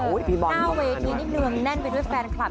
หน้าเวทีนี่เนืองแน่นไปด้วยแฟนคลับ